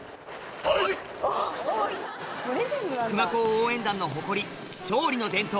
応援団の誇り『勝利の伝統』